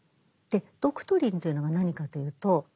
「ドクトリン」というのが何かというと政策。